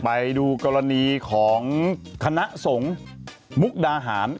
ไปดูกรณีของคณะสงฆ์มุกดาหาร